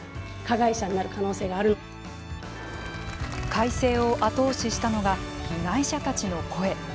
改正を後押ししたのが被害者たちの声。